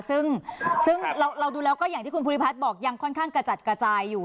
ซึ่งเราดูแล้วก็อย่างที่คุณภูริพัฒน์บอกยังค่อนข้างกระจัดกระจายอยู่